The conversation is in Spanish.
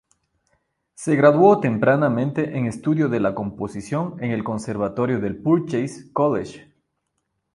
Se graduó tempranamente en estudio de la composición en el conservatorio del Purchase College.